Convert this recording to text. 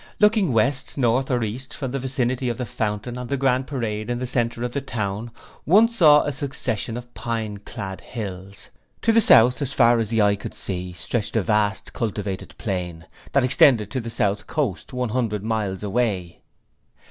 Looking west, north or east from the vicinity of the fountain on the Grand Parade in the centre of the town, one saw a succession of pine clad hills. To the south, as far as the eye could see, stretched a vast, cultivated plain that extended to the south coast, one hundred miles away.